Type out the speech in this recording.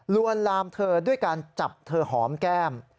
วนลามเธอด้วยการจับเธอหอมแก้ม